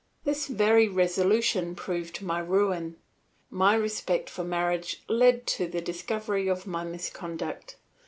This very resolution proved my ruin. My respect for marriage led to the discovery of my misconduct.